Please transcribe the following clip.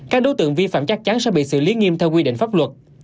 các đối tượng vi phạm chắc chắn sẽ bị xử lý nghiêm theo quy định pháp luật